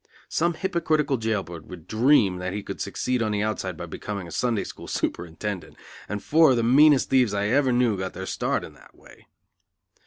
Some hypocritical jail bird would dream that he could succeed on the outside by becoming a Sunday School superintendent; and four of the meanest thieves I ever knew got their start in that way.